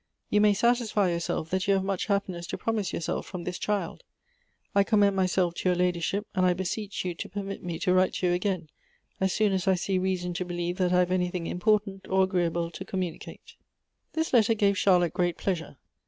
You may satisfy yourself that you have much happiness to promise yourself from this child. I com mend myself to your ladyship, and I beseech you to per mit me to write to you again as soon as I see reason to believe that I have anything important or agreeable to comnmnicate." Elective Affinities. 31 This letter gave Charlotte great pleasure.